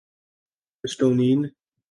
Estonian